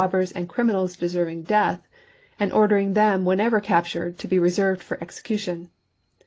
bers and criminals deserving death," and order ing them, whenever captured, to be reserved for execution.